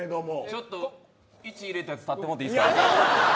ちょっと１入れたやつ立ってもろていいですか。